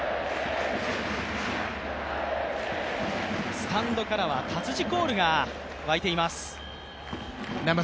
スタンドからは達治コールがわいています。